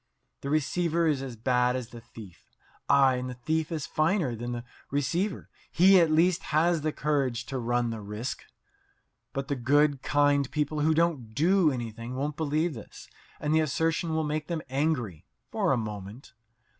The receiver is as bad as the thief ay, and the thief is finer than the receiver; he at least has the courage to run the risk. But the good, kind people who don't do anything won't believe this, and the assertion will make them angry for a moment.